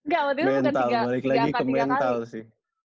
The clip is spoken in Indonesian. gak waktunya bukan se digital mengingat tiga angka tiga kali